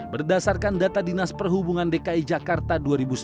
berdasarkan data dinas perhubungan dki jakarta dua ribu sembilan belas